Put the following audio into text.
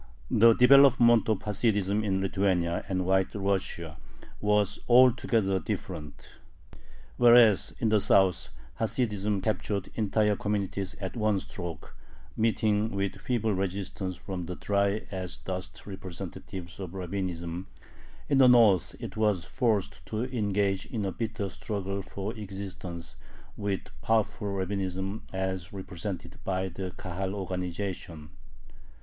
The development of Hasidism in Lithuania and White Russia was altogether different. Whereas in the south Hasidism captured entire communities at one stroke, meeting with feeble resistance from the dry as dust representatives of Rabbinism, in the north it was forced to engage in a bitter struggle for existence with powerful Rabbinism as represented by the Kahal organization.